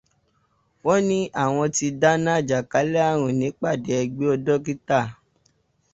Wọ́n ní àwọn ti dènà àjàkálẹ̀ ààrùn nípàdé ẹgbẹ́ dọ́kítà.